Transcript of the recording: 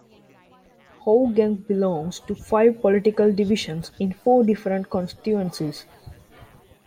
Hougang belongs to five political divisions in four different constituencies.